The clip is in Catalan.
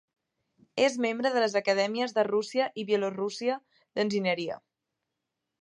És membre de les Acadèmies de Rússia i Bielorússia d'Enginyeria.